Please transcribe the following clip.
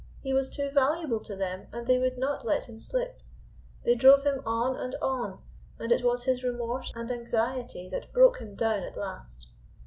He was too valuable to them, and they would not let him slip. They drove him on and on, and it was his remorse and anxiety that broke him down at last."